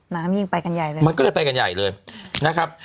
น้ำยิ่งไปกันใหญ่เลยมันก็เลยไปกันใหญ่เลยนะครับ